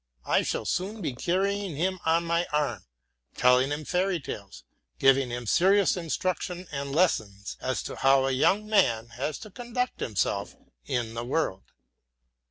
I shall soon be carrying him on my arm, telling him fairy tales, giving him serious instruction and lessons as to how a young man has to conduct himself in the world.